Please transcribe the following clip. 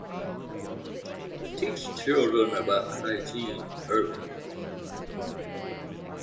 Teach children about hygiene early.